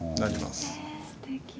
えすてき。